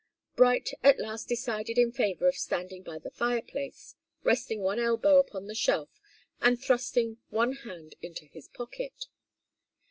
Bright at last decided in favour of standing by the fireplace, resting one elbow upon the shelf and thrusting one hand into his pocket.